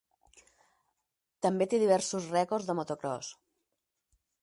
També té diversos rècords de motocròs.